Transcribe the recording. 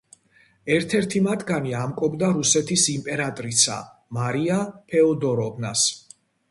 ერთ-ერთი მათგანი ამკობდა რუსეთის იმპერატრიცა მარია ფეოდოროვნას.